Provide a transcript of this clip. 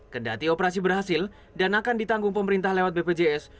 kendati operasi berhasil dan akan ditanggung pemerintah lewat bpjs